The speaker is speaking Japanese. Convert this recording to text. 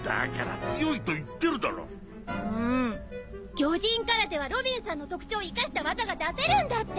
魚人空手はロビンさんの特徴を生かした技が出せるんだって！